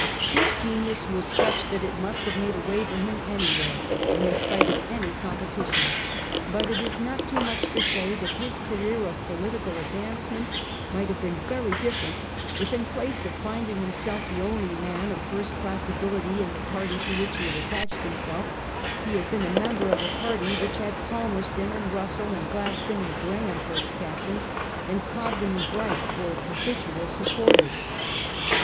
His genius was such that it must have made a way for him anywhere and in spite of any competition ; but it is not too much to say that his career of political advancement might have been very different if in place of finding himself the only man of first class ability in the party to which he had attached himself, he had been a member of a party which had Palmerston and Russell and Gladstone and Graham for its captains, a n d Cobden and Bright for its habitual supporters.